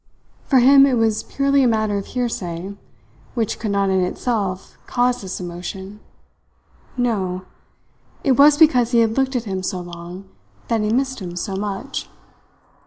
For him it was purely a matter of hearsay which could not in itself cause this emotion. No! It was because he had looked at him so long that he missed him so much.